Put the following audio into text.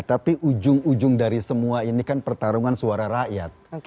tapi ujung ujung dari semua ini kan pertarungan suara rakyat